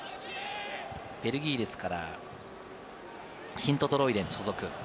ベルギーのシントトロイデンに所属。